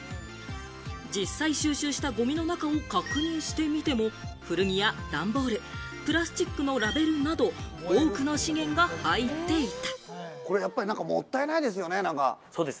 実際収集した、ごみの中を確認してみても、古着や段ボール、プラスチックのラベルなど、多くの資源が入っていた。